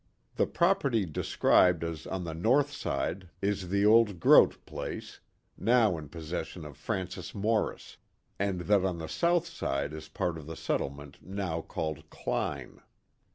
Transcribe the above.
The property described as on the north side is the old Groot place, now in possession of Francis Morris, and that on the south side is part of the settlement now called Kline.